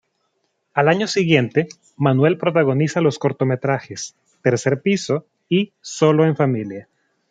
Al año siguiente, Manuel protagoniza los cortometrajes "Tercer piso" y "Sólo en familia".